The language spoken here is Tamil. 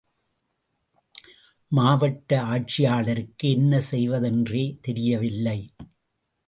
மாவட்ட ஆட்சியாளருக்கு, என்ன செய்வதென்றே தெரியவில்லை.